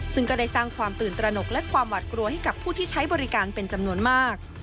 ซึ่งก็ได้สร้างความตื่นตระหนกและความหวัดกลัวให้กับผู้ที่ใช้บริการเป็นจำนวนมาก